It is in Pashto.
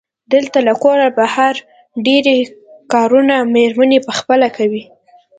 دلته له کوره بهر ډېری کارونه مېرمنې پخپله کوي.